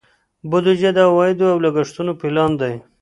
بودیجه د عوایدو او لګښتونو پلان دی.